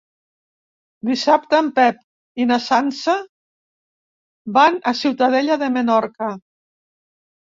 Dissabte en Pep i na Sança van a Ciutadella de Menorca.